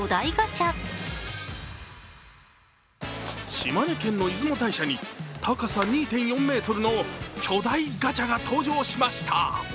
島根県の出雲大社に高さ２．４ｍの巨大ガチャが登場しました。